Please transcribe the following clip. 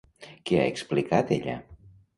Què ha explicat ella?